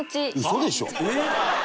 嘘でしょ！？